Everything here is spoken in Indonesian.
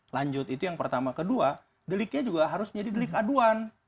lanjut itu yang pertama kedua deliknya juga harus jadi delik aduan